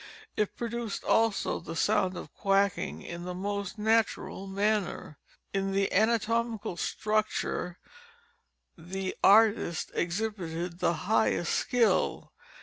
It produced also the sound of quacking in the most natural manner. In the anatomical structure the artist exhibited the highest skill.